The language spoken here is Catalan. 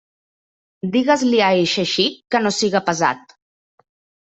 Digues-li a eixe xic que no siga pesat.